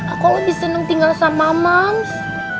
aku lebih seneng tinggal sama mams